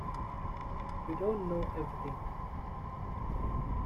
You don’t know everything.